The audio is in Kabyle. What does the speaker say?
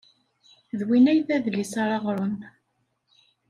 D win ay d adlis ara ɣren.